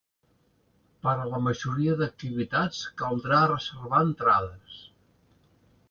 Per a la majoria d’activitats caldrà reservar entrades.